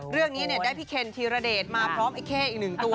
เรื่องนี้ได้พี่เคนธีรเดชมาพร้อมไอ้เข้อีกหนึ่งตัว